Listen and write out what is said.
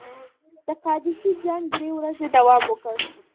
د قادسیې جنګ درې ورځې دوام وکړ.